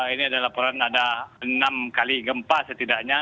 ini ada laporan ada enam kali gempa setidaknya